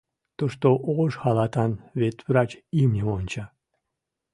Тушто ош халатан ветврач имньым онча.